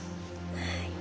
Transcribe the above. はい。